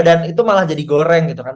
dan itu malah jadi goreng gitu kan